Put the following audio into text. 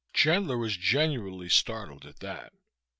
Chandler was genuinely startled at that.